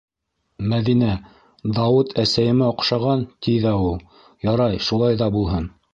Мәҙинә: «Дауыт әсәйемә оҡшаған!» - ти ҙә ул. Ярай, шулай ҙа булһын.